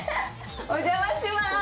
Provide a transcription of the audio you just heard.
お邪魔しまーす！